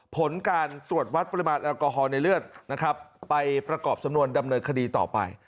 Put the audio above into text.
ผลการตรวจวัดปริมาณแอลกอฮอลในเลือดนะครับไปประกอบสำนวนดำเนินคดีต่อไป